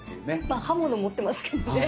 まあ刃物持ってますけどね。